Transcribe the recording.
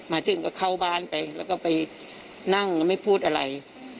มาถึงก็เข้าบ้านไปแล้วก็ไปนั่งไม่พูดอะไร